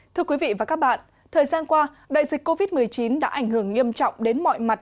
thưa quý vị và các bạn thời gian qua đại dịch covid một mươi chín đã ảnh hưởng nghiêm trọng đến mọi mặt